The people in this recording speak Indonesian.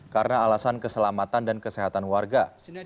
karena alasan keselamatan dan kesehatan warga